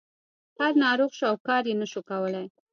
خر ناروغ شو او کار یې نشو کولی.